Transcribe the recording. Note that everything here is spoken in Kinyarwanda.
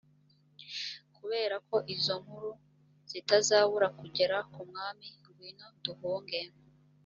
kubera ko izo nkuru zitazabura kugera ku mwami ngwino duhunge